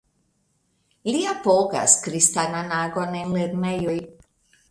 Li apogas kristanan agon en lernejoj.